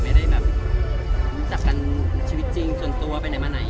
ไม่ได้แบบรู้จักกันชีวิตจริงส่วนตัวไปไหนมาไหน